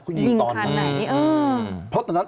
เขายิงตอนไหนเพราะตอนนั้น